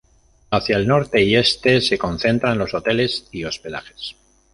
Hacia el norte y este, se concentran los hoteles y hospedajes.